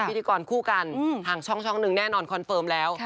พิธีกรคู่กันทางช่องหนึ่งแน่นอนคอนเฟิร์มแล้ว